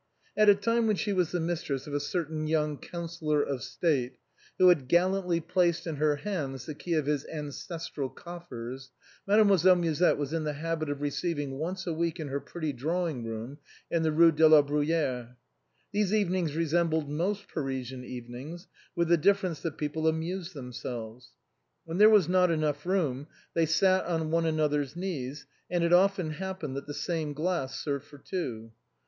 At a time when she was the mistress of a young Coun sellor of State, who had gallantly placed in her hands the key of his ancestral coffers, Mademoiselle Musette was in the habit of receiving once a week in her pretty drawing room in the Rue dc la Bruyère. These evenings resembled most Parisian evenings, with the difference that people amused themselves. When there was not enough room they sat on one another's knees, and it often happened that the same glass served for two.